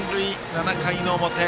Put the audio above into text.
７回の表。